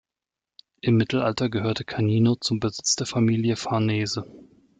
Im Mittelalter gehörte Canino zum Besitz der Familie Farnese.